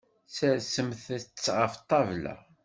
Sersemt-t ɣef ṭṭabla.